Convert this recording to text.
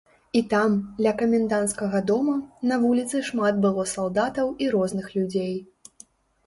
І там, ля каменданцкага дома, на вуліцы шмат было салдатаў і розных людзей.